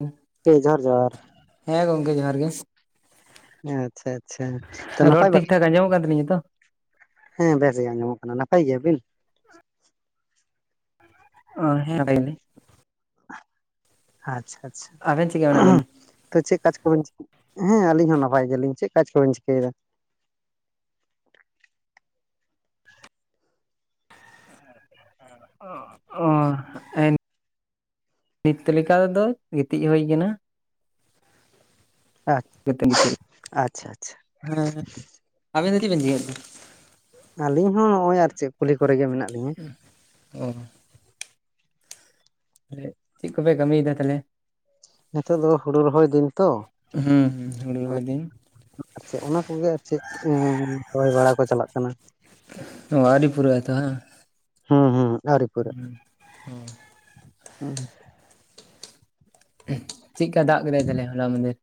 ᱩᱸ᱾ ᱯᱮ ᱡᱚᱦᱟᱨ ᱡᱚᱦᱟᱨ᱾ ᱦᱮᱸ ᱜᱚᱢᱠᱮ ᱡᱚᱦᱟᱨ ᱜᱮ᱾ ᱟᱪᱪᱷᱟ ᱪᱷᱟ, ᱛᱚ ᱨᱚᱲ ᱱᱟᱯᱟᱭ ᱴᱷᱤᱠ ᱵᱟᱲᱟ ᱜᱮ? ᱴᱷᱟᱠ ᱟᱸᱡᱚᱢᱚᱜ ᱠᱟᱱ ᱛᱟᱹᱞᱤᱧᱟ ᱛᱚ ᱦᱮᱸ ᱵᱮᱥ ᱜᱮ ᱟᱸᱟᱢᱚᱜ ᱠᱟᱱᱟ, ᱱᱟᱯᱟᱭ ᱜᱮᱭᱟ ᱵᱤᱱ? ᱚ, ᱦᱮᱸ, ᱱᱟᱯᱟᱭ ᱜᱮᱭᱟ ᱞᱤᱧ᱾ ᱟᱪᱪᱷᱟ ᱟᱪᱪᱷᱟ᱾ ᱟᱵᱮᱱ ᱪᱤᱠᱟ ᱢᱮᱱᱟᱜ ᱵᱮᱱᱟ ᱛᱚ ᱪᱮᱜ ᱠᱟᱡ ᱠᱚᱵᱮᱱ ᱪᱤᱠ, ᱦᱮᱸ ᱟᱞᱤᱧ ᱦᱚᱸ ᱱᱟᱯᱟᱭ ᱜᱮᱭᱟ ᱞᱤᱧ᱾ ᱪᱮᱜ ᱠᱟᱡ ᱠᱚᱵᱮᱱ ᱪᱤᱠᱟᱹᱭᱫᱟ? ᱮᱸ ᱚ, ᱚ, ᱮᱸ ᱱᱤᱛ ᱞᱮᱠᱟ ᱛᱮᱫᱚ ᱜᱤᱛᱤᱡ ᱦᱩᱭ ᱠᱟᱱᱟ᱾ ᱟᱪ, ᱠᱟᱹᱴᱤᱡ ᱜᱤᱛᱤᱡ ᱟᱪᱪᱷᱟ ᱟᱪᱪᱷᱟ᱾ ᱦᱮᱸ ᱟᱵᱮᱱ ᱫᱚ ᱪᱮᱜ ᱵᱮᱱ ᱪᱤᱠᱟᱹᱭᱮᱜ ᱛᱮ? ᱟᱞᱤᱧ ᱦᱚᱸ ᱦᱚᱸᱜ-ᱚᱭ ᱟᱨ ᱪᱮᱜ ᱠᱩᱞᱦᱤ ᱠᱚᱨᱮ ᱜᱮ ᱢᱮᱱᱟᱜ ᱞᱤᱧᱟᱹ᱾ ᱚ᱾ ᱮᱜ ᱪᱤᱜ ᱠᱚᱯᱮ ᱠᱟᱢᱤᱭᱫᱟ ᱛᱟᱞᱦᱮ? ᱱᱤᱛᱳᱜ ᱫᱚ ᱦᱩᱲᱩ ᱨᱚᱦᱚᱭ ᱫᱤᱱ ᱛᱚ ᱦᱩᱸ ᱦᱩᱸ ᱦᱩᱲᱩ ᱨᱚᱦᱚᱭ ᱫᱤᱱ ᱟᱨ ᱪᱮᱜ ᱚᱱᱟ ᱠᱚᱜᱮ ᱟᱨ ᱪᱮᱫ ᱮᱸ ᱨᱚᱦᱚᱭ ᱵᱟᱲᱟ ᱠᱚ ᱪᱟᱞᱟᱜ ᱠᱟᱱᱟ᱾ ᱚ ᱟᱹᱣᱨᱤ ᱯᱩᱨᱟᱹᱜ-ᱟ ᱛᱚ ᱵᱟᱝ? ᱦᱩᱸ ᱦᱩᱸ ᱟᱣᱨᱤ᱾ ᱦᱩᱸ ᱦᱩᱸ᱾ ᱦᱩᱸ᱾ ᱩᱸ ᱪᱤᱜᱠᱟ ᱫᱟᱜ ᱠᱮᱫᱟᱭ ᱛᱟᱞᱦᱮ ᱦᱚᱞᱟ‌ ᱢᱟᱸᱫᱷᱮᱨ?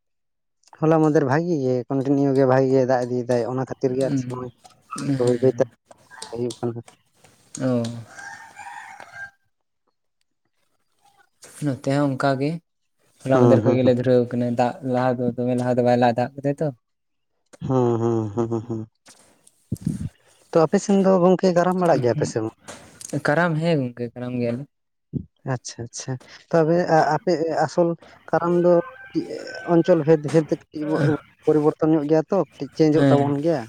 ᱦᱚᱞᱟ ᱢᱟᱸᱫᱷᱮᱨ ᱵᱷᱟᱜᱤ ᱜᱮ ᱠᱚᱱᱴᱤᱱᱤᱭᱩ ᱜᱮ ᱵᱷᱟᱜᱮ ᱜᱮ ᱫᱟᱜ ᱤᱫᱤᱭ ᱫᱟᱭ ᱚᱱᱟ ᱠᱷᱟ ᱠᱷᱟᱹᱛᱤᱨ ᱜᱮ ᱟᱨ ᱦᱮᱸ ᱥᱚᱢᱚᱭ ᱵᱟᱹᱭ ᱵᱟᱹᱭᱛᱮ ᱦᱩᱭᱩᱜ ᱠᱟᱱᱟ᱾ ᱚ᱾ ᱱᱚᱛᱮ ᱦᱚᱸ ᱚᱱᱠᱟ ᱜᱮ, ᱦᱚᱞᱟ ᱦᱩᱸ ᱢᱟᱸᱫᱷᱮᱨ ᱠᱷᱚᱡ ᱦᱩᱸ ᱜᱮᱞᱮ ᱫᱷᱩᱨᱟᱹᱣ ᱫᱚᱢᱮ ᱫᱟᱜ ᱞᱟᱦᱟ ᱫᱚ ᱫᱚ ᱫᱚᱢᱮ ᱞᱟᱦᱟ ᱫᱚ ᱵᱟᱭ ᱫᱟᱜ ᱠᱟᱫᱟᱭ ᱛᱚ᱾ ᱦᱩᱸ ᱦᱩᱸ ᱦᱩᱸ ᱦᱩᱸ, ᱛᱚ ᱟᱯᱮ ᱥᱮᱱ ᱫᱚ ᱜᱚᱝᱠᱮ? ᱠᱟᱨᱟᱢ ᱵᱟᱲᱟᱜ ᱜᱮᱭᱟ ᱯᱮ ᱥᱮ ᱵᱟᱝ? ᱠᱟᱨᱟᱢ ᱦᱮᱸ ᱜᱚᱢᱠᱮ ᱠᱟᱨᱟᱢ ᱜᱮᱭᱟᱞᱮ᱾ ᱟᱪᱪᱷᱟ ᱟᱪᱪᱷᱟ ᱛᱚᱵᱮ ᱟ-ᱟᱯᱮ ᱟᱥᱚᱞ ᱠᱟᱨᱟᱢ ᱫᱚ ᱚᱧᱪᱚᱞ ᱵᱷᱮᱫ ᱵᱷᱮᱫ ᱛᱮ ᱠᱟᱹᱴᱤᱡ ᱵᱚ ᱯᱚᱨᱤᱵᱚᱨᱛᱚᱱ ᱧᱚᱜ ᱜᱮᱭᱟ ᱛᱚ᱾ ᱠᱟᱹᱴᱤᱡ ᱪᱮᱧᱡᱚᱜ ᱦᱮᱸ ᱛᱟᱵᱚᱱ ᱜᱮᱭᱟ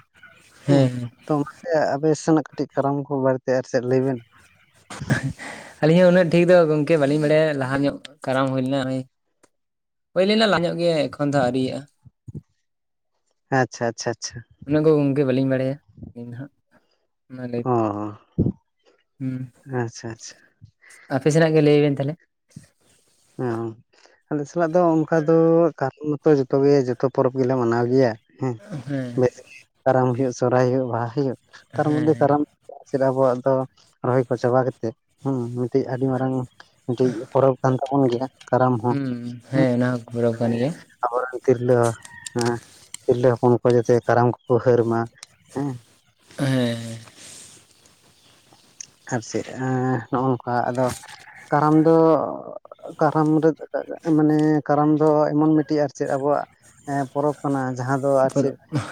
ᱦᱮᱸ ᱛᱚ, ᱤᱭᱟᱹ ᱟᱯᱮ ᱥᱮᱱᱟᱜ ᱠᱟᱹᱴᱤᱡ ᱠᱟᱨᱟᱢ ᱠᱚ ᱵᱟᱨᱮᱛᱮ ᱟᱨ ᱪᱮᱫ ᱞᱟᱹᱭ ᱵᱮᱱ᱾ ᱟᱹᱞᱤᱧ ᱦᱚᱸ ᱩᱱᱟᱹᱜ ᱴᱷᱤᱠ ᱫᱚ ᱜᱚᱢᱠᱮ ᱵᱟᱹᱞᱤᱧ ᱵᱟᱲᱟᱭᱟ ᱞᱟᱦᱟ ᱧᱚᱜ ᱠᱟᱨᱟᱢ ᱦᱩᱭ ᱞᱮᱱᱟ ᱱᱚᱜ-ᱚᱭ᱾ ᱦᱩᱭ ᱞᱮᱱᱟ ᱧᱚᱜ ᱜᱮ ᱮᱠᱷᱚᱱ ᱫᱚ ᱟᱹᱭᱨᱤᱭᱟᱜ-ᱟ᱾ ᱟᱪᱪᱷᱟ ᱟᱪᱪᱷᱟ ᱟᱪᱪᱷᱟ᱾ ᱚᱱᱟ ᱠᱚ ᱜᱚᱝᱠᱮ ᱵᱟᱹᱞᱤᱧ ᱵᱟᱲᱟᱭᱟ ᱟᱹᱞᱤᱧ ᱫᱚ ᱦᱟᱸᱜ᱾ ᱚᱱᱟ ᱞᱟᱹᱭ ᱚ ᱛᱮᱫᱚ ᱦᱩᱸ᱾ ᱟᱪᱪᱷᱟ ᱟᱪᱪᱷᱟ ᱟᱯᱮ ᱥᱮᱱᱟᱜ ᱜᱮ ᱞᱟᱹᱭ ᱵᱮᱱ ᱛᱟᱞᱦᱮ? ᱦᱩᱸ, ᱟᱞᱮ ᱥᱟᱞᱟᱜ ᱫᱚ ᱚᱱᱠᱟ ᱫᱚ ᱠᱟᱨᱚᱱ ᱢᱚᱛᱚ ᱡᱚᱛᱚᱜᱮ ᱡᱚᱛᱚ ᱯᱚᱨᱚᱵᱽ ᱜᱮᱞᱮ ᱢᱟᱱᱟᱣ ᱜᱮᱭᱟ᱾ ᱦᱮᱸ ᱦᱮᱸ ᱵᱮᱥ ᱜᱮ, ᱠᱟᱨᱟᱢ ᱦᱩᱭᱩᱜ, ᱥᱚᱨᱦᱟᱭ ᱦᱩᱭᱩᱜ, ᱵᱟᱦᱟ ᱦᱩᱭᱩᱜ ᱛᱟᱨ ᱢᱚᱫᱽᱫᱷᱮ ᱦᱮᱸ ᱠᱟᱨᱟᱢ ᱪᱮᱫ ᱟᱵᱚᱣᱟᱜ ᱫᱚ ᱨᱚᱦᱚᱭ ᱠᱚ ᱪᱟᱵᱟᱛᱮᱫ ᱦᱩᱸ ᱢᱤᱫᱴᱤᱡ ᱟᱹᱰᱤ ᱢᱟᱨᱟᱝ ᱢᱤᱫᱴᱤᱡ ᱯᱚᱨᱚᱵᱽ ᱠᱟᱱ ᱛᱟᱵᱚᱱ ᱜᱮᱭᱟ᱾ ᱠᱟᱨᱟᱢ ᱦᱚᱸ ᱦᱩᱸ ᱦᱮᱸ ᱚᱱᱟ ᱦᱚᱸ [unintelligible] ᱠᱟᱱ ᱢᱟᱱᱮ ᱜᱮᱭᱟ᱾ ᱟᱵᱚᱨᱮᱱ ᱛᱤᱨᱞᱟᱹ ᱦᱮᱸ ᱛᱤᱨᱞᱟᱹ ᱦᱚᱯᱚᱱ ᱠᱚ ᱡᱟᱛᱮ ᱠᱟᱨᱟᱢ ᱠᱚᱠᱚ ᱦᱟᱹᱨ ᱢᱟ ᱦᱮᱸ᱾ ᱦᱮᱸ᱾ ᱟᱨ ᱪᱮᱫ ᱮᱸ ᱱᱚᱜ-ᱚ ᱱᱚᱝᱠᱟ ᱟᱫᱚ ᱠᱟᱨᱟᱢ ᱫᱚ ᱠᱟᱨᱟᱢ ᱨᱮ ᱢᱟᱱᱮ ᱠᱟᱨᱟᱢ ᱫᱚ ᱮᱢᱚᱱ ᱢᱤᱫ ᱟᱨ ᱪᱮᱫ ᱟᱵᱚᱣᱟᱜ ᱯᱚᱨᱚᱵᱽ ᱠᱟᱱᱟ ᱡᱟᱦᱟᱸ ᱫᱚ ᱟᱨ ᱪᱮᱫ ᱯᱚᱨᱚᱵᱽ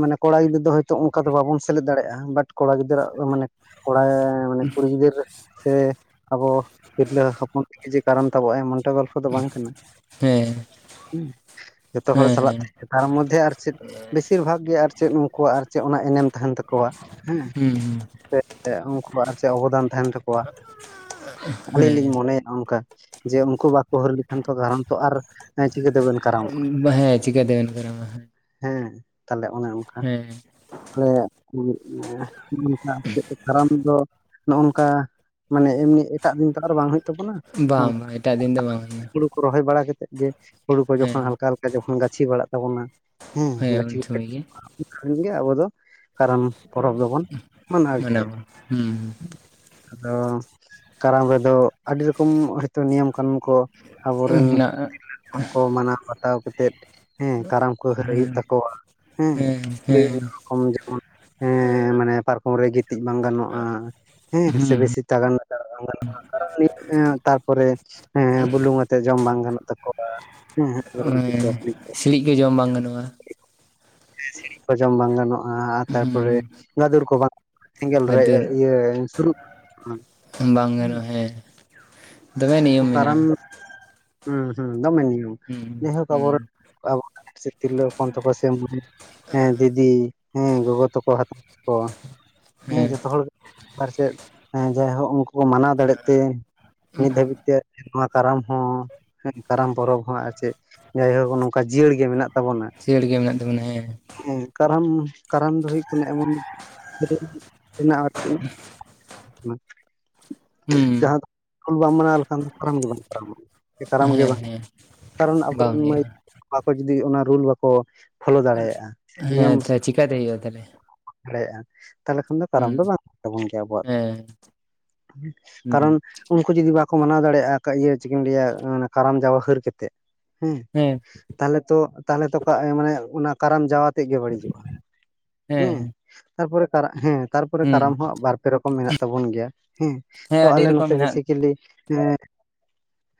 ᱢᱟᱱᱮ ᱠᱚᱲᱟ ᱜᱤᱫᱽᱨᱟᱹ ᱫᱚ ᱦᱚᱭᱛᱚ ᱚᱱᱠᱟ ᱫᱚ ᱵᱟᱵᱚᱱ ᱥᱮᱞᱮᱫ ᱫᱟᱲᱮᱭᱟᱜᱼᱟ, ᱵᱟᱴ ᱠᱚᱲᱟ ᱜᱤᱫᱽᱨᱟᱹ ᱢᱟᱱᱮ ᱠᱚᱲᱟ ᱢᱟᱱᱮ ᱠᱩᱲᱤ ᱜᱤᱫᱟᱽᱹᱨ ᱥᱮ ᱟᱵᱚ ᱛᱤᱨᱞᱟᱹ ᱦᱚᱯᱚᱱ [inaudible] ᱠᱟᱨᱚᱱ ᱛᱟᱵᱚ ᱟᱭ ᱮᱢᱚᱱᱴᱟ ᱜᱚᱞᱯᱷᱚ ᱫᱚ ᱵᱟᱝ ᱠᱟᱱᱟ᱾ [unintelligible] ᱡᱷᱚᱛᱚ ᱦᱚᱲ ᱥᱟᱞᱟᱜ ᱦᱮᱸ ᱛᱮ ᱛᱟᱨ ᱢᱚᱫᱽᱫᱷᱮ ᱟᱨ ᱪᱮᱫ ᱵᱮᱥᱤᱨ ᱵᱷᱟᱜᱽ ᱜᱮ ᱟᱨ ᱪᱮᱫ ᱩᱱᱠᱩᱣᱟᱜ ᱟᱨ ᱪᱮᱫ ᱚᱱᱟ ᱮᱱᱮᱢ ᱛᱟᱦᱮᱱ ᱛᱟᱠᱚᱣᱟ ᱦᱮᱸ, ᱦᱩᱸ ᱥᱮ ᱩᱱᱠᱩᱣᱟᱜ ᱟᱨ ᱪᱮᱫ ᱚᱵᱚᱫᱟᱱ ᱛᱟᱦᱮᱱ ᱛᱟᱠᱚᱣᱟ ᱟᱹᱞᱤᱧ ᱦᱮᱸ ᱞᱤᱧ ᱢᱚᱱᱮᱭ ᱱᱚᱝᱠᱟ ᱡᱮ ᱩᱱᱠᱩ ᱵᱟᱠᱚ ᱦᱟᱹᱨ ᱞᱮᱠᱷᱟᱱ ᱛᱚ ᱠᱟᱨᱚᱱ ᱛᱚ ᱟᱨ ᱪᱤᱠᱟᱹᱛᱮ ᱵᱮᱱ ᱦᱮᱸ ᱪᱤᱠᱟᱹ ᱛᱮᱵᱮᱱ ᱠᱚᱨᱟᱣᱟ ᱦᱮᱸ ᱦᱮᱸ ᱛᱟᱦᱚᱞᱮ ᱚᱱᱮ ᱚᱱᱠᱟ ᱦᱮᱸ [unintelligible] ᱠᱟᱨᱟᱢ ᱫᱚ ᱱᱚᱜᱼ ᱱᱚᱝᱠᱟ ᱢᱟᱱᱮ ᱮᱢᱱᱤ ᱮᱴᱟᱜ ᱫᱤᱱ ᱛᱚ ᱟᱨ ᱵᱟᱝ ᱵᱟᱝ ᱵᱟᱝ ᱮᱴᱟᱜ ᱫᱤᱱ ᱫᱚ ᱵᱟᱝ ᱦᱩᱭᱩᱜᱼᱟ ᱦᱩᱭᱩᱜ [unintelligible] ᱨᱚᱦᱚᱭ ᱵᱟᱲᱟ ᱠᱟᱛᱮᱫ ᱜᱮ ᱦᱩᱲᱩ ᱠᱚ ᱡᱚᱠᱷᱚᱱ ᱦᱮᱸ ᱦᱟᱞᱠᱟ ᱦᱟᱞᱠᱟ ᱡᱚᱠᱷᱚᱱ ᱜᱟᱪᱷᱤ ᱵᱟᱲᱟᱜ ᱛᱟᱵᱚᱱᱟ ᱦᱮᱸ ᱜᱟᱹᱪᱷᱤ ᱜᱮ ᱩᱱᱜᱮ ᱟᱵᱚ ᱫᱚ ᱠᱟᱨᱟᱢ ᱯᱚᱨᱚᱵᱽ ᱫᱚᱵᱚᱱ ᱢᱟᱱᱟᱣ ᱜᱮᱭᱟ ᱾ ᱢᱟᱱᱟᱣᱟ ᱦᱩᱸ ᱟᱫᱚ ᱠᱟᱨᱟᱢ ᱨᱮᱫᱚ ᱟᱹᱰᱤ ᱨᱚᱠᱚᱢ ᱛᱚ ᱱᱤᱭᱚᱢ ᱠᱟᱹᱱᱩᱱ ᱠᱚ ᱟᱵᱚᱨᱮᱱ ᱦᱮᱱᱟᱜᱼᱟ ᱛᱤᱨᱞᱟᱹ ᱠᱚ ᱢᱟᱱᱟᱣ ᱵᱟᱛᱟᱣ ᱠᱟᱛᱮᱫ ᱦᱮᱸ ᱠᱟᱨᱟᱢ ᱠᱚ ᱦᱟᱹᱨᱟᱹᱭ ᱦᱩᱭᱩᱜ ᱦᱮᱸ ᱛᱟᱠᱚᱣᱟ ᱦᱮᱸ ᱵᱤᱵᱷᱤᱱᱚ ᱨᱚᱠᱚᱢ ᱡᱮᱢᱚᱱ ᱦᱮᱸ ᱢᱟᱱᱮ ᱯᱟᱨᱠᱚᱢ ᱨᱮ ᱜᱤᱛᱤᱡ ᱵᱟᱝ ᱜᱟᱱᱚᱜᱼᱟ, ᱦᱮᱸ ᱥᱮ ᱵᱮᱥᱤ [inaudible] [unintelligible] ᱵᱟᱝ ᱜᱟᱱᱚᱜᱼᱟ ᱛᱟᱨᱯᱚᱨᱮ ᱵᱩᱞᱩᱝ ᱟᱛᱮᱜ ᱡᱚᱢ ᱵᱟᱝ ᱜᱟᱱᱚᱜ ᱛᱟᱠᱚᱣᱟ, ᱦᱮᱸ [unintelligible] ᱥᱤᱲᱤᱡ ᱠᱚ ᱡᱚᱢ ᱵᱟᱝ ᱜᱟᱱᱚᱜᱼᱟ ᱥᱤᱨᱤᱡ ᱠᱚ ᱡᱚᱢ ᱵᱟᱝ ᱜᱟᱱᱚᱜᱼᱟ, ᱟᱨ ᱛᱟᱨᱯᱚᱨᱮ ᱦᱩᱸ ᱜᱟᱫᱩᱨ ᱠᱚ ᱵᱟᱝ ᱥᱮᱸᱜᱮᱞ ᱨᱮ ᱵᱷᱟᱹᱫᱩᱨ ᱤᱭᱟᱹ ᱥᱩᱨᱩᱜ ᱵᱟᱝ ᱜᱟᱱᱚᱜᱼᱟ ᱦᱮᱸ ᱫᱚᱢᱮ ᱱᱤᱭᱚᱢ ᱠᱟᱨᱟᱢ ᱢᱮᱱᱟᱜᱼᱟ᱾ ᱦᱩᱸ ᱦᱩᱸ ᱫᱚᱢᱮ ᱱᱤᱭᱚᱢ ᱦᱩᱸ ᱡᱟᱭᱦᱳᱠ ᱟᱵᱚ ᱨᱮᱱ ᱦᱩᱸ ᱟᱵᱚ ᱠᱚᱨᱮᱱ ᱥᱮ ᱛᱤᱨᱞᱟᱹ ᱦᱚᱯᱚᱱ ᱛᱟᱠᱚ ᱥᱮ ᱢᱟᱹᱭ ᱦᱮᱸ ᱫᱤᱫᱤ ᱦᱮᱸ ᱜᱚᱜᱚ ᱛᱟᱠᱚ ᱦᱟᱛᱟᱣᱟ ᱠᱚ, ᱦᱮᱸ ᱡᱚᱛᱚ ᱦᱚᱲ ᱵᱟᱨᱥᱮᱫ ᱡᱟᱭᱦᱳᱠ ᱩᱝᱠᱳ ᱢᱟᱱᱟᱣ ᱫᱟᱲᱮᱜ ᱛᱮ ᱱᱤᱛ ᱫᱷᱟᱹᱵᱤᱡ ᱛᱮ ᱱᱚᱣᱟ ᱠᱟᱨᱟᱢ ᱦᱚᱸ ᱦᱮᱸ ᱠᱟᱨᱟᱢ ᱯᱚᱨᱚᱵᱽ ᱦᱚᱸ ᱟᱨ ᱪᱮᱫ ᱡᱟᱭᱦᱳᱠ ᱱᱚᱝᱠᱟ ᱡᱤᱭᱟᱹᱲ ᱜᱮ ᱢᱮᱱᱟᱜ ᱛᱟᱵᱚᱱᱟ ᱥᱤᱭᱟᱹᱲ ᱜᱮ ᱢᱮᱱᱟᱜ ᱛᱟᱵᱚᱱᱟ ᱦᱮᱸ, ᱦᱮᱸ ᱠᱟᱨᱟᱢ ᱠᱟᱨᱟᱢ ᱫᱚ ᱦᱩᱭᱩᱜ ᱠᱟᱱᱟ ᱮᱢᱚᱱ [unintelligible] ᱢᱮᱱᱟᱜᱼᱟ ᱟᱨ ᱪᱮᱫ ᱦᱩᱸ [unintelligible] ᱡᱟᱦᱟᱸ ᱫᱚ ᱦᱩᱞ ᱵᱟᱢ ᱢᱟᱱᱟᱣ ᱞᱮᱠᱷᱟᱱ ᱫᱚ ᱠᱟᱨᱟᱢ ᱜᱮ ᱵᱟᱝ ᱠᱟᱨᱟᱢᱚᱜᱼᱟ ᱠᱟᱨᱟᱢ ᱜᱮ ᱦᱮᱸ ᱵᱟᱝ ᱦᱮᱸ ᱠᱟᱨᱚᱱ ᱵᱟᱝ ᱟᱵᱚᱨᱮᱱ ᱢᱟᱹᱭ ᱦᱩᱭᱩᱜᱼᱟ ᱵᱟᱠᱚ ᱡᱩᱫᱤ ᱚᱱᱟ ᱨᱩᱞ ᱵᱟᱠᱚ ᱯᱷᱳᱞᱳ ᱫᱟᱲᱮᱭᱟᱜᱼᱟ ᱱᱤᱭᱚᱢ ᱦᱮᱸ ᱥᱮ ᱛᱚ ᱪᱤᱠᱟᱛᱮ ᱦᱩᱭᱩᱜᱼᱟ ᱛᱟᱦᱞᱮ [unintelligible] [unintelligible] ᱛᱟᱦᱚᱞᱮ ᱠᱷᱟᱱ ᱫᱚ ᱠᱟᱨᱟᱢ ᱦᱩᱸ ᱫᱚ ᱵᱟᱝ ᱦᱩᱭᱩᱜ ᱛᱟᱵᱚᱱ ᱜᱮᱭᱟ ᱟᱵᱚᱣᱟᱜ ᱫᱚ ᱦᱮᱸ ᱦᱩᱸ ᱠᱟᱨᱚᱱ ᱩᱱᱠᱩ ᱡᱩᱫᱤ ᱵᱟᱠᱚ ᱢᱟᱱᱟᱣ ᱫᱟᱲᱮᱭᱟᱜᱼᱟ ᱠᱟᱜ ᱤᱭᱟᱹ ᱪᱤᱠᱟᱹᱧ ᱞᱮᱭᱟ ᱠᱟᱨᱟᱢ ᱡᱟᱣᱟ ᱦᱟᱹᱨ ᱠᱟᱛᱮᱜ ᱦᱮᱸ, ᱦᱮᱸ ᱛᱟᱦᱚᱞᱮ ᱛᱚ ᱛᱟᱦᱚᱞᱮ ᱛᱚ ᱠᱟᱜ ᱢᱟᱱᱮ ᱚᱱᱟ ᱠᱟᱨᱟᱢ ᱡᱟᱣᱟ ᱛᱮᱜ ᱜᱮ ᱵᱟᱹᱲᱤᱡᱚᱜᱼᱟ ᱦᱮᱸ, ᱛᱟᱨᱯᱚᱨᱮ ᱠᱟᱨᱟᱜ ᱦᱮᱸ ᱛᱟᱨᱯᱚᱨᱮ ᱦᱩᱸ ᱠᱟᱨᱟᱢ ᱦᱚᱸ ᱵᱟᱨᱯᱮ ᱨᱚᱠᱚᱢ ᱢᱮᱱᱟᱜ ᱛᱟᱵᱚᱱ ᱜᱮᱭᱟ ᱦᱮᱸ ᱛᱚ ᱟᱹᱰᱤ ᱟᱞᱮ ᱨᱚᱠᱚᱢ ᱱᱚᱛᱮ ᱢᱮᱱᱟᱜ ᱵᱤᱥᱤ ᱪᱤᱞᱤ ᱦᱮᱸ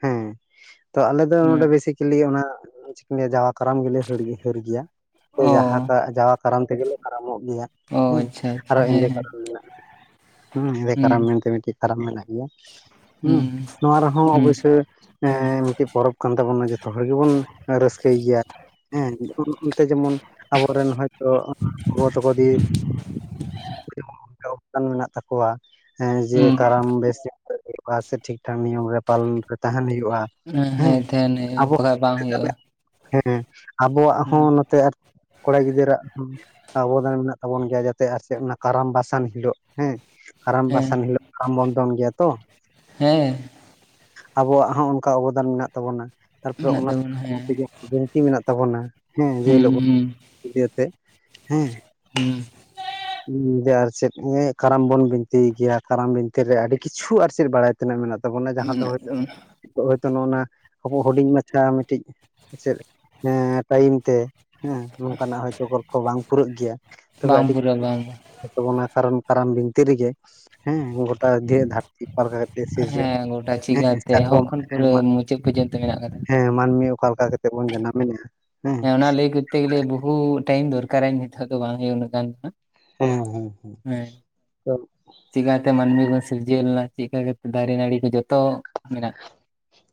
ᱦᱮᱸ ᱛᱚ ᱟᱞᱮ ᱫᱚ ᱱᱚᱸᱰᱮ ᱦᱮᱸ ᱵᱮᱥᱤᱠᱮᱞᱤ ᱚᱱᱟ ᱞᱮ ᱡᱟᱣᱟ ᱠᱟᱨᱟᱢ ᱜᱮᱞᱮ ᱦᱟᱹᱲ ᱜᱮᱭᱟ ᱦᱟᱹᱨ ᱜᱮᱭᱟ ᱥᱮ ᱚ ᱡᱟᱦᱟᱸ ᱠᱟᱜ ᱡᱟᱣᱟ ᱠᱟᱨᱟᱢ ᱛᱮᱜᱮᱞᱮ ᱠᱟᱨᱟᱢᱚᱜ ᱜᱮᱭᱟ᱾ ᱚ ᱦᱮᱸ ᱟᱪᱪᱷᱟ ᱟᱪᱪᱷᱟ ᱟᱨᱚ ᱮᱸᱫᱮ ᱦᱮᱸ ᱠᱟᱨᱚᱢ ᱢᱮᱱᱟᱜᱼᱟ ᱦᱮᱸ ᱮᱸᱫᱮ ᱠᱟᱨᱟᱢ ᱢᱮᱱᱛᱮ ᱢᱤᱜᱴᱤᱡ ᱠᱟᱨᱟᱢ ᱢᱮᱱᱟᱜ ᱜᱮᱭᱟ, ᱦᱩᱸ ᱱᱚᱣᱟ ᱨᱮᱦᱚᱸ ᱦᱩᱸ ᱚᱵᱚᱥᱥᱳᱭ ᱮᱸ ᱢᱤᱜᱴᱤᱡ ᱯᱚᱨᱚᱵᱽ ᱠᱟᱱ ᱛᱟᱵᱚᱱᱟ ᱡᱚᱛᱚ ᱦᱚᱲ ᱜᱮᱵᱚᱱ ᱨᱟᱹᱥᱠᱟᱹᱭ ᱜᱮᱭᱟ ᱦᱮᱸ ᱚᱱ ᱚᱱᱛᱮ ᱡᱮᱢᱚᱱ ᱟᱵᱚᱨᱮᱱ ᱦᱚᱭᱛᱳ [unintelligible] ᱜᱚᱜ ᱛᱟᱠᱚ [unintelligible] [unintelligible] ᱠᱟᱱ ᱢᱮᱱᱟᱜ ᱛᱟᱠᱚᱣᱟ ᱦᱮᱸ ᱡᱮ ᱦᱩᱸ ᱠᱟᱨᱟᱢ ᱵᱮᱥ ᱧᱚᱜ ᱦᱩᱭᱩᱜᱼᱟ ᱥᱮ ᱴᱷᱤᱠ ᱴᱷᱟᱠ ᱱᱤᱭᱚᱢ ᱨᱮ ᱯᱟᱞᱚᱱ ᱨᱮ ᱛᱟᱦᱮᱱ ᱦᱩᱭᱩᱜᱼᱟ ᱦᱩᱸ ᱦᱩᱭᱩᱜᱼᱟ ᱦᱮᱸ ᱛᱟᱦᱮᱱ ᱦᱩᱭᱩᱜᱼᱟ ᱟᱵᱚ ᱵᱟᱠᱷᱟᱡ ᱵᱟᱝ [unintelligible] ᱦᱩᱭᱩᱜᱼᱟ ᱦᱮᱸ ᱟᱵᱚᱣᱟᱜ ᱦᱮᱸ ᱦᱚᱸ ᱱᱚᱛᱮ ᱟᱨ ᱠᱚᱲᱟ ᱜᱤᱫᱽᱨᱟᱹᱜ ᱦᱚᱸ ᱚᱵᱚᱫᱟᱱ ᱢᱮᱱᱟᱜ ᱛᱟᱵᱚᱱ ᱜᱮᱭᱟ ᱡᱟᱛᱮ ᱟᱨ ᱪᱮᱜ ᱚᱱᱟ ᱠᱟᱨᱟᱢ ᱵᱟᱥᱟᱱ ᱦᱤᱞᱳᱜ ᱦᱮᱸ ᱟᱨᱟᱢ ᱦᱮᱸ ᱵᱟᱥᱟᱱ ᱦᱤᱞᱳᱜ ᱠᱟᱨᱟᱢ ᱵᱚᱱ ᱫᱚᱱ ᱜᱮᱭᱟ ᱛᱚ ᱦᱮᱸ ᱟᱵᱚᱣᱟᱜ ᱦᱚᱸ ᱚᱱᱠᱟ ᱚᱵᱚᱫᱟᱱ ᱢᱮᱱᱟᱜ ᱛᱟᱵᱚᱱᱟ ᱛᱟᱨᱯᱚᱨᱮ ᱢᱮᱱᱟᱜ ᱚᱱᱟ ᱛᱟᱵᱚᱱᱟ ᱦᱮᱸ [unintelligible] ᱛᱮᱜᱮ ᱵᱤᱱᱛᱤ ᱢᱮᱱᱟᱜ ᱛᱟᱵᱚᱱᱟ ᱦᱮᱸ ᱡᱮ ᱦᱤᱞᱳᱜ ᱵᱚ ᱦᱩᱸ [unintelligible] ᱦᱮᱸ ᱦᱩᱸ ᱩᱸ ᱡᱮ ᱟᱨ ᱪᱮᱫ, ᱮᱸ ᱠᱟᱨᱟᱢ ᱵᱚᱱ ᱵᱤᱱᱛᱤᱭ ᱜᱮᱭᱟ ᱠᱟᱨᱟᱢ ᱵᱤᱱᱛᱤᱨᱮ ᱟᱹᱰᱤ ᱠᱤᱪᱷᱩ ᱟᱨ ᱪᱮᱫ ᱵᱟᱲᱟᱭ ᱛᱤᱱᱟᱹᱜ ᱢᱮᱱᱟᱜ ᱛᱟᱵᱚᱱᱟ ᱡᱟᱦᱟᱸ ᱫᱚ ᱢᱮᱱᱟᱜ ᱦᱳᱭᱛᱳ [inaudible] ᱛᱟᱵᱚᱱᱟ ᱱᱤᱛᱳᱜ ᱦᱳᱭᱛᱚ ᱱᱚᱜᱼᱚᱱᱟ ᱟᱵᱚ ᱦᱩᱰᱤᱧ ᱢᱟᱪᱷᱟ ᱢᱤᱫᱴᱤᱡ ᱪᱮᱫ [unintelligible] ᱴᱟᱭᱤᱢ ᱛᱮ ᱦᱮᱸ ᱱᱚᱝᱠᱟᱱᱟᱜ ᱦᱚᱭᱛᱳ ᱜᱚᱞᱯᱚ ᱵᱟᱝ ᱯᱩᱨᱟᱹᱜ ᱜᱮᱭᱟ ᱛᱚᱵᱮ ᱵᱟᱝ ᱟᱹᱰᱤ ᱯᱩᱨᱟᱹ ᱵᱟᱝ ᱛᱟᱵᱚᱱᱟ ᱠᱟᱨᱚᱱ ᱠᱟᱨᱟᱢ ᱵᱤᱱᱛᱤ ᱨᱮᱜᱮ ᱦᱮᱸ ᱜᱚ ᱴᱟ ᱜᱮ ᱫᱷᱟᱹᱨᱛᱤ ᱚᱠᱟᱞᱮᱠᱟ ᱠᱟᱛᱮ ᱥᱤᱨᱡᱚᱱ ᱦᱮᱸ ᱦᱮᱸ [unintelligible] ᱮᱢᱟᱜ ᱪᱮᱜ ᱯᱩᱡᱟᱹ ᱱᱤᱛᱳᱜ ᱢᱮᱱᱟᱜ ᱠᱟᱫᱟ? ᱢᱟᱱᱢᱤ ᱚᱠᱟ ᱞᱮᱠᱟ ᱠᱟᱛᱮᱜ ᱵᱚᱱ ᱡᱟᱱᱟᱢᱮᱱᱟ ᱦᱮᱸ ᱚᱱᱟ ᱞᱟᱹᱭ ᱠᱚᱛᱛᱮ ᱜᱮᱞᱮ ᱵᱚᱦᱩ ᱴᱟᱭᱤᱢ ᱫᱚᱨᱠᱟᱨᱟᱧ ᱱᱤᱛᱚᱜ ᱫᱚ ᱵᱟᱝ ᱦᱩᱭᱩᱜᱼᱟ ᱩᱱᱟᱹᱜ ᱫᱚ ᱱᱟᱜ ᱦᱮᱸ ᱦᱮᱸ ᱦᱮᱸ ᱪᱤᱠᱟᱛᱮ ᱢᱟᱹᱱᱢᱤ ᱠᱚ ᱥᱤᱨᱡᱟᱹᱣ ᱞᱮᱱᱟ, ᱪᱮᱜᱠᱟ ᱠᱟᱛᱮ ᱫᱟᱨᱮ ᱱᱟᱹᱲᱤ ᱠᱚ ᱡᱚᱛᱚ ᱢᱮᱱᱟᱜ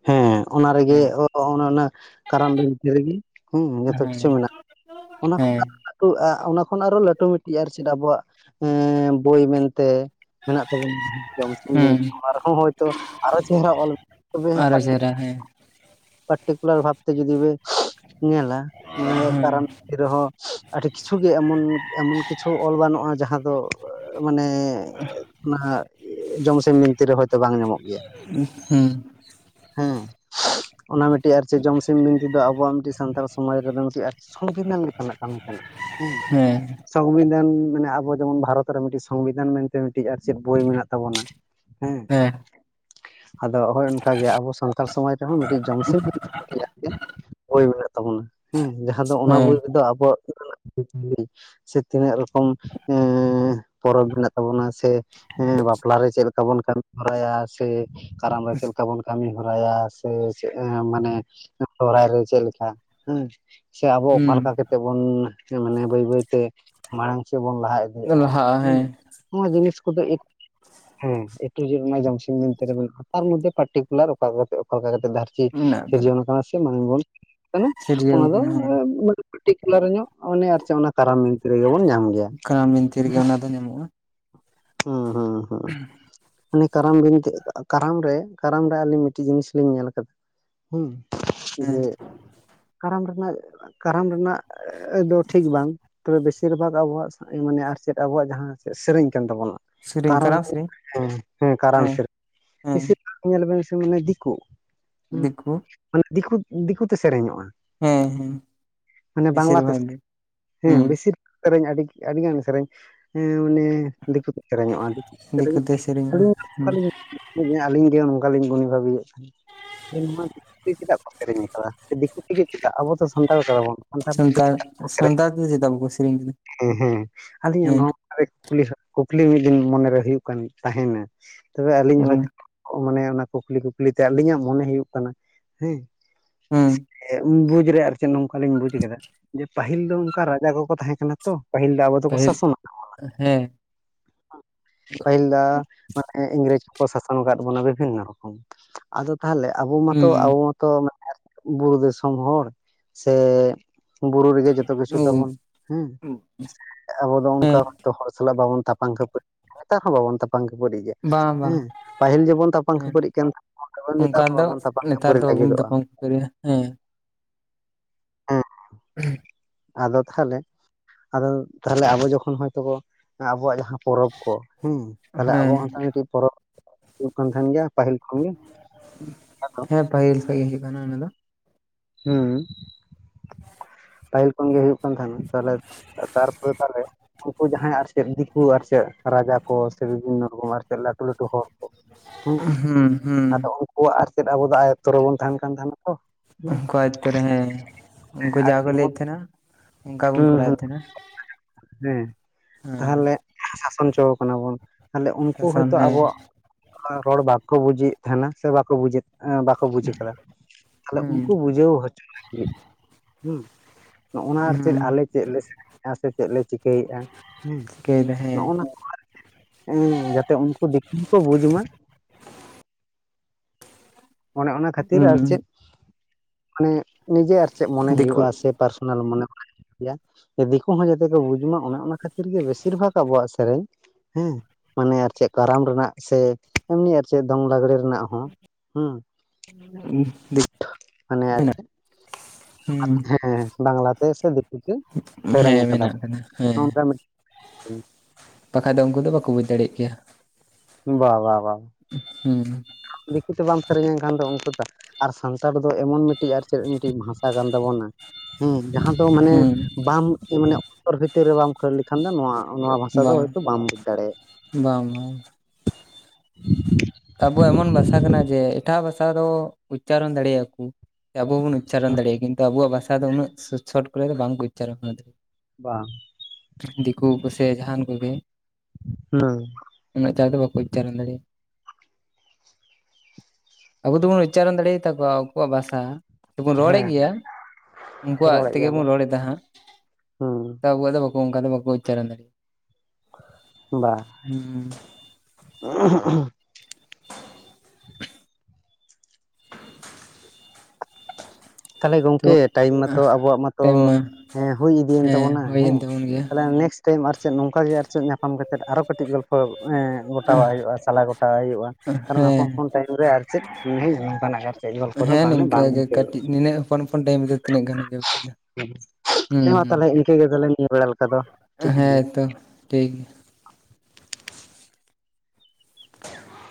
ᱦᱮᱸ ᱚᱱᱟ ᱨᱮᱜᱮ ᱦᱮᱸ ᱚ ᱚᱱ ᱚᱱᱟ ᱠᱟᱨᱟᱢ ᱵᱤᱱᱛᱤ ᱨᱤᱜᱮ ᱦᱩᱸ ᱡᱚᱛᱚ ᱠᱤᱪᱷᱩ ᱦᱮᱸ ᱢᱮᱱᱟᱜ ᱚᱱᱟ ᱠᱚ ᱦᱮᱸ [unintelligible] [unintelligible] ᱟ ᱚᱱᱟ ᱠᱷᱚᱱ ᱟᱨᱚ ᱞᱟᱹᱴᱩ ᱢᱤᱜᱴᱤᱡ ᱟᱨ ᱪᱮᱫ ᱟᱵᱚᱣᱟᱜ ᱮᱸ ᱵᱳᱭ ᱢᱮᱱᱛᱮ ᱢᱮᱱᱟᱜ ᱛᱟᱵᱚᱱᱟ ᱡᱚᱢᱥᱤᱢ ᱦᱩᱸ ᱵᱤᱱᱛᱤ ᱚᱱᱟ ᱨᱮᱦᱚᱸ ᱦᱳᱭᱛᱚ ᱟᱨᱚ ᱪᱮᱦᱨᱟ ᱚᱞ ᱛᱚᱵᱮ ᱟᱨᱚ ᱪᱮᱦᱨᱟ ᱦᱮᱸ [unintelligible] ᱛᱮ ᱡᱩᱫᱤ ᱵᱮ ᱧᱮᱞᱟ [unintelligible] ᱦᱮᱸ ᱠᱟᱨᱟᱢ ᱨᱮᱦᱚᱸ ᱟᱹᱰᱤ ᱠᱤᱪᱷᱩ ᱜᱮ ᱮᱢᱚᱱ ᱮᱢᱚᱱ ᱠᱤᱪᱷᱩ ᱚᱞ ᱜᱟᱱᱚᱜᱼᱟ ᱡᱟᱦᱟᱸ ᱫᱚ ᱢᱟᱱᱮ ᱚᱱᱟ ᱡᱚᱢᱥᱤᱢ ᱵᱤᱱᱛᱤᱨ ᱨᱮ ᱦᱚᱭᱛᱳ ᱵᱟᱝ ᱧᱟᱢᱚᱜ ᱜᱮᱭᱟ᱾ ᱦᱩᱸ ᱦᱮᱸ ᱚᱱᱟ ᱢᱤᱫᱴᱤᱡ ᱟᱨ ᱪᱤ ᱡᱚᱢᱥᱤᱢ ᱵᱤᱱᱛᱤ ᱫᱚ ᱟᱵᱚᱣᱟᱜ ᱢᱤᱫᱴᱤᱡ ᱥᱟᱱᱛᱟᱲ ᱥᱚᱢᱟᱡᱽ ᱨᱮᱫᱚ ᱢᱤᱫᱴᱤᱡ ᱥᱚᱝᱵᱤᱫᱷᱟᱱ ᱞᱮᱠᱟᱱᱟᱜ ᱠᱟᱢᱤ ᱠᱟᱱᱟ ᱦᱮᱸ ᱦᱮᱸ ᱥᱚᱝᱵᱤᱫᱷᱟᱱ ᱢᱟᱱᱮ ᱟᱵᱚ ᱡᱮᱢᱚᱱ ᱵᱷᱟᱨᱚᱛ ᱨᱮ ᱢᱤᱫᱴᱤᱡ ᱥᱚᱝᱵᱤᱫᱷᱟᱱ ᱢᱮᱱᱛᱮ ᱢᱤᱫᱴᱮᱱ ᱟᱨ ᱪᱮᱫ ᱵᱳᱭ ᱢᱮᱱᱟᱜ ᱛᱟᱵᱚᱱᱟ᱾ ᱦᱮᱸ [unintelligible] ᱟᱫᱚ ᱦᱚᱭ ᱚᱱᱠᱟ ᱜᱮ ᱟᱵᱚ ᱥᱟᱱᱛᱟᱲ ᱥᱚᱢᱟᱡᱽ ᱨᱮᱦᱚᱸ ᱢᱤᱫᱴᱤᱡ ᱡᱚᱢᱥᱤᱢᱚᱱ [inaudible] ᱜᱮ ᱵᱳᱭ ᱢᱮᱱᱟᱜ ᱛᱟᱵᱚᱱᱟ ᱦᱮᱸ ᱡᱟᱦᱟᱸ ᱫᱚ ᱚᱱᱟ ᱦᱮᱸ ᱵᱳᱭ ᱨᱮᱫᱚ ᱟᱵᱚᱣᱟᱜ [unintelligible] ᱥᱮ ᱛᱤᱱᱟᱹᱜ ᱨᱚᱠᱚᱢ ᱮ ᱯᱚᱨᱚᱵᱽ ᱢᱮᱱᱟᱜ ᱛᱟᱵᱚᱱᱟ ᱥᱮ, ᱮᱸ ᱵᱟᱯᱞᱟ ᱨᱮ ᱪᱮᱫ ᱞᱮᱠᱟ ᱵᱚᱱ ᱠᱟᱹᱢᱤ ᱦᱚᱨᱟᱭᱟ ᱥᱮ ᱠᱟᱨᱟᱢ ᱨᱮ ᱪᱮᱫ ᱞᱮᱠᱟ ᱵᱚᱱ ᱠᱟᱹᱢᱤ ᱦᱚᱨᱟᱭᱟ ᱥᱮ ᱢᱟᱱᱮ ᱥᱚᱦᱨᱟᱭ ᱨᱮ ᱪᱮᱫ ᱞᱮᱠᱟ ᱦᱮᱸ ᱪᱮ ᱟᱵᱚ ᱚᱠᱟ ᱞᱮᱠᱟ ᱠᱟ ᱦᱩᱸ ᱛᱮ ᱵᱚᱱ ᱢᱟᱱᱮ ᱵᱟᱹᱭ ᱵᱟᱹᱭᱛᱮ ᱢᱟᱲᱟᱝ ᱥᱮᱜ ᱵᱚᱱ ᱞᱟᱦᱟ ᱤᱫᱤᱜᱼᱟ ᱦᱮᱸ ᱱᱚᱣᱟ ᱡᱤᱱᱤᱥ ᱠᱚᱫᱚ [unintelligible] ᱦᱮᱸ ᱮᱴᱩ ᱡᱮ [unintelligible] ᱛᱮ ᱢᱮᱱᱟᱜᱼᱟ ᱛᱟᱨ ᱢᱚᱫᱽᱫᱷᱮ ᱯᱟᱨᱴᱤᱠᱩᱞᱟᱨ ᱚᱠᱟ ᱚᱠᱟ ᱞᱮᱠᱟ [unintelligible] ᱢᱮᱱᱟᱜ ᱥᱤᱨᱡᱚᱱ ᱠᱟᱱᱟ ᱥᱮ ᱢᱟᱝ ᱵᱚᱱ ᱠᱟᱱᱟ ᱥᱤᱨᱡᱟᱹᱣ ᱚᱱᱟ ᱫᱚ ᱠᱟᱱᱟ ᱦᱮᱸ ᱢᱟᱱᱮ ᱯᱟᱨᱴᱤᱠᱩᱞᱟᱹᱨ [unintelligible] ᱨᱮ ᱧᱚᱜ ᱢᱟᱱᱮ ᱟᱨ ᱠᱟᱨᱟᱢ ᱵᱤᱱᱛᱤ ᱨᱮᱜᱮ ᱵᱚᱱ ᱧᱟᱢ ᱜᱮᱭᱟ ᱠᱟᱨᱟᱢ ᱵᱤᱱᱛᱤ ᱨᱮᱜᱮ ᱦᱩᱸ ᱚᱱᱟ ᱫᱚ ᱧᱟᱢᱚᱜᱼᱟ ᱦᱩᱸ ᱦᱩᱸ ᱢᱟᱱᱮ ᱠᱟᱨᱟᱢ ᱵᱤᱱᱛᱤ ᱠᱟᱨᱟᱢ ᱨᱮ ᱠᱟᱨᱟᱢ ᱨᱮ ᱟᱹᱞᱤᱧ ᱢᱤᱫᱴᱮᱱ ᱡᱤᱱᱤᱥ ᱞᱤᱧ ᱧᱮᱞ ᱟᱠᱟᱫᱟ ᱾ ᱦᱮᱸ ᱦᱮᱸ ᱡᱮ ᱠᱟᱨᱟᱢ ᱨᱮᱱᱟᱜ ᱠᱟᱨᱟᱢ ᱨᱮᱱᱟᱜ ᱚᱻ ᱫᱚ ᱴᱷᱤᱠ ᱵᱟᱝ ᱛᱚᱵᱮ ᱵᱮᱥᱤᱨ ᱵᱷᱟᱜᱽ ᱟᱵᱚᱣᱟᱜ ᱢᱟᱱᱮ ᱟᱨ ᱪᱮᱫ ᱟᱵᱚᱣᱟᱜ ᱡᱟᱦᱟᱸ ᱥᱮᱨᱮᱧ ᱠᱟᱱ ᱛᱟᱵᱚᱱᱟ ᱥᱮᱨᱮᱧ ᱠᱟᱨᱟᱢ ᱥᱮᱨᱮᱧ ᱦᱮᱸ ᱦᱮᱸ ᱠᱟᱨᱟᱢ ᱥᱮᱨᱮᱧ ᱾ ᱦᱮᱸ ᱵᱮᱥᱤᱨ ᱵᱷᱟᱜᱽ ᱧᱮᱞ ᱵᱮᱱ ᱥᱮ ᱢᱟᱱᱮ ᱫᱤᱠᱩ ᱦᱩ ᱫᱤᱠᱩ ᱢᱟᱱᱮ ᱫᱤᱠᱩ ᱫᱤᱠᱩᱛᱮ ᱥᱮᱨᱮᱧᱚᱜᱼᱟ᱾ ᱦᱮᱸ ᱦᱮᱸ ᱢᱟᱱᱮ ᱵᱮᱥᱤᱨ ᱵᱟᱝᱞᱟ ᱛᱮ ᱵᱷᱟᱜᱽ ᱜᱮ ᱦᱮᱸ ᱦᱩᱸ ᱵᱮᱥᱤᱨᱟᱜᱽ ᱥᱮᱨᱮᱧ ᱟᱹᱰᱤ ᱟᱹᱰᱤᱜᱟᱱ ᱥᱮᱨᱮᱧ ᱦᱮᱸ ᱚᱱᱮ ᱫᱤᱠᱩ ᱠᱚ ᱥᱮᱨᱮᱧᱚᱜᱼᱟ ᱫᱤᱠᱩ ᱥᱮᱨᱮᱧ ᱛᱮ ᱥᱮᱨᱮᱧᱚᱜᱼᱟ ᱦᱩᱸ ᱟᱹᱞᱤᱧᱞᱤᱧ ᱟᱹᱞᱤᱧ ᱜᱮ ᱱᱚᱝᱠᱟᱞᱤᱧ ᱜᱩᱱᱤ ᱵᱷᱟᱹᱵᱤᱭᱮᱫ ᱛᱟᱦᱮᱸ ᱾ ᱡᱮ ᱱᱚᱣᱟ ᱫᱤᱠᱩ ᱛᱮ ᱪᱮᱫᱟᱜ ᱠᱚ ᱥᱤᱨᱤᱧ ᱟᱠᱟᱫᱟ ᱥᱮ, ᱫᱤᱠᱩ ᱛᱮᱜᱮ ᱪᱮᱫᱟᱜ ᱟᱵᱚ ᱫᱚ ᱥᱟᱱᱛᱟᱲ ᱠᱟᱱᱟ ᱵᱚᱱ ᱾ ᱥᱟᱱᱛᱟᱲ ᱯᱟᱹᱨᱥᱤ [inaudible] ᱥᱟᱱᱛᱟᱲ ᱛᱮᱫᱚ ᱪᱮᱫᱟᱜ ᱵᱟᱠᱚ ᱥᱮᱨᱮᱧ ᱠᱮᱫᱟ ᱦᱮᱸ ᱦᱮᱸ ᱟᱹᱞᱤᱧᱟᱜ ᱦᱮᱸ ᱱᱚᱣᱟ ᱞᱤ ᱠᱩᱠᱞᱤ ᱢᱤᱫ ᱫᱤᱱ ᱢᱚᱱᱮᱨᱮ ᱦᱩᱭᱩᱜ ᱠᱟᱱ ᱛᱟᱦᱮᱱᱟ ᱛᱚᱵᱮ ᱟᱹᱞᱤᱧ ᱦᱩᱸ ᱦᱚᱭᱛᱳ ᱢᱟᱱᱮ ᱚᱱᱟ ᱠᱩᱠᱞᱤ ᱠᱩᱠᱞᱤᱛᱮ ᱟᱹᱞᱤᱧᱟᱜ ᱢᱚᱱᱮ ᱦᱩᱭᱩᱜ ᱠᱟᱱᱟ ᱦᱮᱸ ᱦᱮᱸ ᱾ ᱵᱩᱡᱽ ᱨᱮ ᱟᱨ ᱪᱮᱫ ᱱᱚᱝᱠᱟ ᱞᱤᱧ ᱵᱩᱡᱽ ᱠᱮᱫᱟ᱾ ᱯᱟᱹᱦᱤᱞ ᱫᱚ ᱚᱱᱠᱟ ᱨᱟᱡᱟ ᱠᱚᱠᱚ ᱛᱟᱦᱮᱸ ᱠᱟᱱᱟ ᱛᱚ ᱯᱟᱹᱦᱤᱞ ᱫᱚ ᱟᱵᱚ ᱫᱚᱠᱚ ᱯᱟᱹᱦᱤᱞ ᱥᱟᱥᱚᱱ ᱟᱠᱟᱫ ᱵᱚᱱᱟ ᱾ ᱦᱮᱸ ᱯᱟᱹᱦᱤᱞ ᱫᱚ ᱢᱟᱱᱮ ᱤᱝᱨᱮᱡᱽ ᱠᱚᱠᱚ ᱥᱟᱥᱚᱱ ᱟᱠᱟᱫ ᱵᱚᱱᱟ ᱵᱤᱵᱷᱤᱱᱱᱚ ᱨᱚᱠᱚᱢ ᱟᱫᱚ ᱛᱟᱦᱚᱞᱮ ᱟᱵᱚ ᱢᱟᱛᱚ ᱦᱩᱸ ᱟᱵᱚ ᱢᱟ ᱛᱚ ᱢᱟᱱᱮ ᱵᱩᱨᱩ ᱫᱤᱥᱚᱢ ᱦᱚᱲ ᱥᱮ ᱵᱩᱨᱩ ᱨᱮᱜᱮ ᱡᱚᱛᱚ ᱠᱤᱪᱷᱩ ᱳ ᱛᱟᱵᱚᱱ ᱦᱮᱸ ᱟᱵᱚ ᱫᱚ ᱦᱮᱸ ᱚᱱᱠᱟ ᱛᱚ ᱦᱚᱲ ᱥᱟᱞᱟᱜ ᱵᱟᱵᱚᱱ ᱛᱟᱯᱟᱢ ᱠᱷᱟᱹᱯᱟᱹᱨᱤ ᱱᱮᱛᱟᱨ ᱦᱚᱸ ᱵᱟᱵᱚᱱ ᱛᱟᱯᱟᱢ ᱠᱷᱟᱹᱯᱟᱹᱨᱤ ᱜᱮᱭᱟ, ᱵᱟᱝ ᱵᱟᱝ ᱦᱮᱸ ᱯᱟᱹᱦᱤᱞ ᱡᱮᱵᱚᱱ ᱛᱟᱯᱟᱢ ᱦᱮᱸ ᱠᱷᱟᱹᱯᱟᱹᱨᱤᱜ ᱠᱟᱱ ᱛᱟᱱᱟ ᱚᱸᱰᱮ ᱱᱮᱛᱟᱨ ᱚᱱᱠᱟ ᱦᱚᱸ ᱫᱚ ᱵᱟᱵᱚᱱ ᱛᱟᱯᱟᱱ ᱱᱮᱛᱟᱨ ᱠᱷᱟᱹᱯᱟᱹᱨᱤ ᱫᱚ ᱵᱟᱵᱚᱱ ᱞᱟᱹᱜᱤᱫᱚᱜᱼᱟ᱾ ᱛᱟᱯᱟᱢ ᱦᱮᱸ ᱾ ᱦᱮᱸ ᱟᱫᱚ ᱛᱟᱦᱚᱞᱮ ᱟᱫᱚ ᱛᱟᱦᱚᱞᱮ ᱟᱵᱚ ᱡᱚᱠᱷᱚᱱ ᱦᱚᱭ ᱛᱚᱵᱚ ᱟᱵᱚᱣᱟᱜ ᱡᱟᱦᱟᱸ ᱯᱚᱨᱚᱵᱽ ᱠᱚ ᱦᱮᱸ ᱛᱟᱦᱞᱮ ᱦᱮᱸ ᱟᱵᱚᱣᱟᱜ ᱚᱱᱠᱟᱱ ᱢᱤᱫᱴᱤᱡ ᱯᱚᱨᱚᱵᱽ ᱦᱩᱭᱩᱜ ᱠᱟᱱ ᱛᱟᱦᱮᱱ ᱜᱮᱭᱟ ᱯᱟᱹᱦᱤᱞ ᱠᱷᱚᱱ ᱜᱮ ᱟᱫᱚ ᱦᱮᱸ ᱯᱟᱹᱦᱤᱞ ᱠᱷᱚᱡ ᱦᱮᱡ ᱟᱠᱟᱱᱟ ᱚᱱᱟ ᱫᱚ ᱾ ᱦᱩᱸ ᱯᱟᱹᱦᱤᱞ ᱠᱷᱚᱱ ᱜᱮ ᱦᱩᱭᱩᱜ ᱠᱟᱱ ᱛᱟᱦᱮᱸᱱᱟ ᱛᱟᱦᱚᱞᱮ ᱛᱟᱨᱯᱚᱨᱮ ᱛᱟᱦᱚᱞᱮ ᱩᱱᱠᱩ ᱡᱟᱦᱟᱸᱭ ᱟᱨ ᱪᱮᱫ ᱫᱤᱠᱩ ᱟᱨ ᱪᱮᱫ ᱨᱟᱡᱟ ᱠᱚ ᱥᱮ ᱵᱤᱵᱷᱤᱱᱱᱚ ᱨᱚᱠᱚᱢ ᱟᱨ ᱪᱮᱫ ᱞᱟᱹᱴᱩ ᱞᱟᱹᱴᱩ ᱦᱚᱲ ᱦᱩᱸ ᱦᱩᱸ ᱾ ᱟᱫᱚ ᱩᱱᱠᱩᱣᱟᱜ ᱟᱨ ᱪᱮᱫ ᱟᱵᱚ ᱫᱚ ᱟᱭᱚᱛᱛᱚ ᱨᱮᱵᱚᱱ ᱛᱟᱦᱮᱸᱱ ᱠᱟᱱ ᱛᱟᱦᱮᱱᱟ ᱛᱚ᱾ ᱦᱮᱸ ᱩᱱᱠᱩ ᱟᱭᱚᱛᱛᱚ ᱨᱮ ᱦᱮᱸ ᱩᱱᱠᱩ ᱟᱹᱰᱤ ᱡᱟᱦᱟᱸ ᱠᱚ ᱫᱤᱱ ᱵᱚᱱ ᱞᱟᱹᱭᱮᱫ ᱛᱟᱦᱮᱸᱱᱟ ᱚᱱᱠᱟ ᱵᱚᱱ ᱦᱮᱸ ᱦᱮᱸ ᱠᱚᱨᱟᱣᱮᱫ ᱛᱟᱦᱮᱸᱱᱟ᱾ ᱦᱮᱸ ᱛᱟᱦᱚᱞᱮ ᱥᱟᱥᱚᱱ ᱦᱚᱪᱚ ᱟᱠᱟᱱᱟ ᱵᱚᱱ ᱾ ᱛᱟᱦᱚᱞᱮ ᱩᱱᱠᱩ ᱥᱟᱥᱚᱱ ᱦᱚᱭᱛᱳ ᱦᱮᱸ ᱟᱵᱚᱣᱟᱜ ᱨᱚᱲ ᱵᱟᱠᱚ ᱵᱩᱡᱮᱫ ᱛᱟᱦᱮᱸᱱᱟ ᱥᱮ ᱵᱟᱠᱚ ᱵᱩᱡᱮᱫ ᱵᱟᱠᱚ ᱵᱩᱡ ᱠᱟᱫᱟ ᱟᱫᱚ ᱦᱩᱸ ᱩᱱᱠᱩ ᱵᱩᱡᱷᱟᱹᱣ ᱦᱚᱪᱚ ᱞᱟᱹᱜᱤᱫ ᱦᱮᱸ ᱱᱚᱜᱼᱱᱟ ᱟᱨ ᱪᱮᱫ ᱦᱩᱸ ᱟᱞᱮ ᱪᱮᱫ [unintelligible] ᱞᱮᱫᱼᱟ ᱥᱮ ᱪᱮᱫ ᱞᱮ ᱪᱤᱠᱟᱹᱭᱮᱫᱼᱟ ᱦᱮᱸ᱾ [unintelligible] ᱦᱮᱸ᱾ ᱱᱚᱜᱼ ᱚᱱᱟ ᱠᱚ [inaudible] ᱮᱸ ᱡᱟᱛᱮ ᱩᱱᱠᱩ ᱫᱤᱠᱩ ᱠᱚ ᱵᱩᱡᱽ ᱢᱟ᱾ ᱚᱱᱮ ᱚᱱᱟ ᱠᱷᱟᱹᱛᱤᱨ ᱟᱨ ᱦᱩᱸ ᱪᱮᱫ? ᱢᱟᱱᱮ ᱱᱤᱡᱮ ᱟᱨ ᱪᱮᱫ ᱢᱚᱱᱮ ᱫᱤᱠᱩ ᱦᱩᱭᱩᱜᱼᱟ ᱥᱮ ᱯᱟᱨᱥᱚᱱᱟᱞ ᱢᱚᱱᱮ ᱫᱤᱠᱩ ᱦᱚᱸ ᱡᱟᱛᱮ ᱠᱚ ᱵᱩᱡᱽ ᱢᱟ᱾ ᱚᱱᱮ ᱚᱱᱟ ᱠᱷᱟᱹᱛᱤᱨ ᱜᱮ ᱵᱮᱥᱤᱨ ᱵᱷᱟᱜᱽ ᱟᱵᱚᱣᱟᱜ ᱥᱮᱨᱮᱧ ᱦᱮᱸ ᱢᱟᱱᱮ ᱟᱨ ᱪᱮᱫ ᱠᱟᱨᱟᱢ ᱨᱮᱱᱟᱜ ᱥᱮ ᱮᱢᱱᱤ ᱟᱨ ᱪᱮᱫ ᱫᱚᱝ ᱞᱟᱜᱽᱲᱮ ᱨᱮᱱᱟᱜ ᱦᱚᱸ᱾ ᱦᱩᱸ᱾ [inaudible] ᱢᱟᱱᱮ ᱟᱨ ᱢᱮᱱᱟᱜ ᱪᱮᱫ? ᱦᱩᱸ ᱦᱮᱸᱦᱮᱸ ᱵᱟᱝᱞᱟ ᱛᱮ ᱥᱮ ᱫᱤᱠᱩ ᱛᱮ ᱥᱮᱨᱮᱧ ᱦᱮᱸ ᱟᱠᱟᱫᱟᱯ ᱢᱮᱱᱟᱜ ᱠᱟᱫᱟ ᱦᱮᱸ ᱦᱚᱸ ᱚᱱᱠᱟ [unintelligible] ᱵᱟᱠᱷᱟᱡ ᱫᱚ ᱩᱱᱠᱩ ᱫᱚ ᱵᱟᱠᱚ ᱵᱩᱡᱽ ᱫᱟᱲᱮᱭᱟᱜ ᱠᱮᱭᱟ᱾ ᱵᱟ ᱵᱟ ᱵᱟ᱾ ᱦᱮᱸ᱾ ᱟᱢ ᱫᱤᱠᱩ ᱛᱮ ᱵᱟᱢ ᱥᱮᱨᱮᱧᱟᱧ ᱠᱷᱟᱱ ᱫᱚ ᱩᱱᱠᱩ ᱫᱚ ᱟᱨ ᱥᱟᱱᱛᱟᱲ ᱫᱚ ᱮᱢᱚᱱ ᱢᱤᱫᱴᱤᱡ ᱟᱨ ᱪᱮᱫ ᱢᱤᱫᱴᱤᱡ ᱵᱷᱟᱥᱟ ᱠᱟᱱ ᱛᱟᱵᱚᱱᱟ᱾ ᱦᱮᱸ ᱡᱟᱦᱟᱸ ᱫᱚ ᱢᱟᱱᱮ ᱦᱩᱸ ᱵᱟᱢ ᱮ ᱢᱟᱱᱮ ᱚᱚᱱᱛᱚᱨ ᱵᱷᱤᱛᱤᱨ ᱨᱮ ᱵᱟᱢ ᱠᱷᱟᱹᱲ ᱞᱮ ᱠᱷᱟᱱ ᱫᱚ ᱱᱚᱣᱟ ᱚᱱᱟ ᱵᱷᱟᱥᱟ ᱫᱚ ᱵᱟᱝ ᱦᱳᱭᱛᱚ ᱵᱟᱢ ᱵᱩᱡᱽ ᱫᱟᱲᱮᱭᱟᱜᱼᱟ᱾ ᱵᱟᱝ ᱵᱟᱝ᱾ ᱟᱵᱚ ᱮᱢᱚᱱ ᱵᱷᱟᱥᱟ ᱠᱟᱱᱟ ᱡᱮ ᱮᱴᱟᱜ ᱵᱷᱟᱥᱟ ᱫᱚ ᱩᱪᱪᱟᱨᱚᱱ ᱫᱟᱲᱮᱭᱟᱜᱼᱟ ᱠᱚ᱾ ᱥᱮ ᱟᱵᱚ ᱦᱚᱸ ᱵᱚᱱ ᱩᱪᱪᱟᱨᱚᱱ ᱫᱟᱲᱮᱭᱟᱜᱼᱟ᱾ ᱠᱤᱱᱛᱩ ᱟᱵᱚᱣᱟᱜ ᱵᱷᱟᱥᱟ ᱫᱚ ᱩᱱᱟᱹᱜ ᱥᱪᱚᱴ ᱠᱚᱨᱮ ᱫᱚ ᱵᱟᱝ ᱠᱚ ᱩᱪᱪᱟᱨᱚᱱᱟ ᱵᱟᱝ᱾ ᱫᱤᱠᱩ ᱠᱚ ᱥᱮ ᱡᱟᱦᱟᱸᱱ ᱠᱚᱜᱮ᱾ [unintelligible] ᱩᱱᱟᱹᱜ ᱪᱟᱲ ᱫᱚ ᱵᱟᱠᱚ ᱩᱪᱪᱟᱨᱚᱱ ᱫᱟᱲᱮᱭᱟᱜ-ᱟ᱾ ᱟᱵᱚ ᱫᱚᱵᱚᱱ ᱩᱪᱟᱨᱚᱱ ᱫᱟᱲᱮ ᱟᱛᱟᱠᱚᱣᱟ᱾ ᱟᱠᱚᱣᱟᱜ ᱵᱷᱟᱥᱟ ᱛᱮᱵᱚᱱ ᱨᱚᱲᱮᱫ ᱦᱮᱸ ᱜᱮᱭᱟ᱾ ᱩᱱᱠᱩᱣᱟᱜ ᱨᱚᱲᱮᱫ ᱛᱮᱜᱮ ᱵᱚᱱ ᱜᱮᱭᱟᱵᱚᱱ ᱨᱚᱲ ᱮᱫᱟ ᱦᱟᱸᱜ᱾ ᱦᱩᱸ ᱴᱟ ᱠᱚᱣᱲᱜ ᱫᱚ ᱟᱵᱚᱣᱟ ᱫᱚ ᱚᱱᱠᱟ ᱫᱚ ᱵᱟᱠᱚ ᱩᱪᱪᱟᱨᱚᱱ ᱫᱟᱲᱮᱜ ᱵᱟ᱾ ᱦᱩᱸ [inaudible] ᱛᱟᱦᱚᱞᱮ ᱛᱚ ᱜᱚᱝᱠᱮ ᱴᱟᱭᱤᱢ ᱢᱟᱛᱚ ᱟᱵᱚᱣᱟᱜ ᱢᱟᱛᱚ ᱴᱟᱭᱤᱢ ᱢᱟ ᱮᱸ ᱦᱩᱭ ᱤᱫᱤᱭᱮᱱ ᱦᱮᱸ ᱛᱟᱵᱚᱱᱟ ᱦᱩᱭᱮᱱ ᱦᱮᱸ ᱛᱟᱵᱚᱱ ᱜᱮᱭᱟ ᱛᱟᱦᱚᱞᱮ ᱱᱮᱠᱥᱴ ᱛᱟᱭᱚᱢ ᱟᱨ ᱪᱮᱫ ᱱᱚᱝᱠᱟ ᱜᱮ ᱟᱨ ᱪᱮᱫ ᱧᱟᱯᱟᱢ ᱠᱟᱛᱮᱫ ᱟᱨᱚ ᱠᱟᱹᱴᱤᱡ ᱜᱚᱞᱯᱚ ᱮᱸ ᱜᱚᱴᱟᱣᱟᱜ ᱦᱩᱭᱩᱜᱼᱟ, ᱥᱟᱞᱟ ᱜᱚᱴᱟᱣᱟᱜ ᱦᱩᱭᱩᱜᱼᱟ᱾ ᱠᱟᱨᱚᱱ ᱦᱚᱯᱚᱱ ᱦᱮᱸ ᱦᱚᱯᱚᱱ ᱴᱟᱭᱤᱢ ᱨᱮ ᱟᱨ ᱪᱮᱫ ᱟᱨ ᱪᱮᱫ [unintelligible] ᱱᱚᱝᱠᱟᱱᱟᱜ ᱟᱨ ᱪᱮᱫ ᱜᱚᱞᱯᱚ ᱫᱚ ᱦᱮᱸ ᱵᱟᱝ ᱞᱮ ᱱᱤᱝᱠᱟᱹ ᱵᱟᱝ ᱜᱮ ᱢᱩᱪᱟᱹᱫᱽᱚᱜᱼᱟ᱾ ᱠᱟᱹᱴᱤᱡ ᱱᱤᱱᱟᱹᱜ ᱦᱚᱯᱚᱱ ᱦᱚᱯᱚᱱ ᱴᱟᱭᱤᱢ ᱨᱮᱫᱚ ᱛᱤᱱᱟᱹᱜ ᱜᱟᱱ [unintelligible] ᱦᱩᱸ ᱦᱮᱸ ᱢᱟ ᱛᱟᱦᱚᱞᱮ ᱦᱩᱸ ᱤᱱᱠᱟᱹ ᱜᱮ ᱛᱟᱦᱚᱞᱮ ᱱᱤᱭᱟᱹ ᱵᱮᱲᱟ ᱞᱮᱠᱟ ᱫᱚ᱾ ᱴᱷᱤᱠᱟᱹᱱ ᱜᱮᱭᱟ᱾ ᱦᱮᱸ ᱛᱚ ᱴᱷᱤᱠ ᱜᱮᱭᱟ᱾